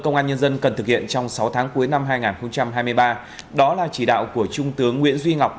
công an nhân dân cần thực hiện trong sáu tháng cuối năm hai nghìn hai mươi ba đó là chỉ đạo của trung tướng nguyễn duy ngọc